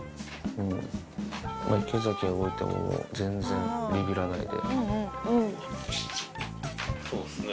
池崎が動いても全然ビビらないで。